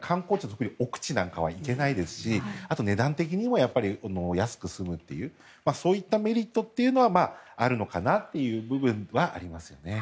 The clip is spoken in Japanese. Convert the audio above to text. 特に奥地なんかは行けないですしあと値段的にも安く済むというそういったメリットというのはあるのかなという部分はありますよね。